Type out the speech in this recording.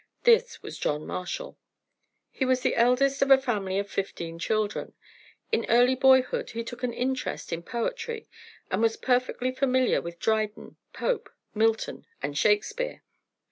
This was John Marshall. He was the eldest of a family of fifteen children. In early boyhood he took an interest in poetry and was perfectly familiar with Dryden, Pope, Milton and Shakespeare.